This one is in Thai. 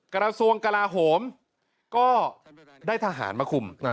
กระทรวงกลาโหมก็ได้ทหารมาคุม